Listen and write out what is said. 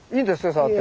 触って。